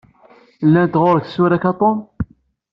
Llant ɣur-k tsura-k a Tum?